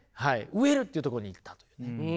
植えるっていうとこに行ったという。